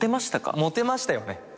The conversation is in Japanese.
モテましたよね？